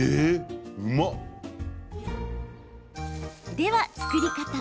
では作り方。